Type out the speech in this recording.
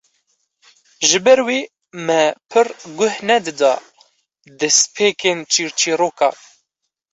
Ji ber wê me pir goh nedida destpêkên çîrçîrokan